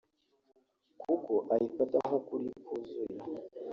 kuko ayifata nk’ukuri kuzuye”